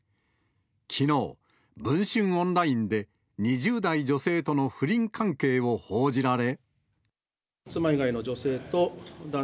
きのう、文春オンラインで２０代女性との不倫関係を報じられ。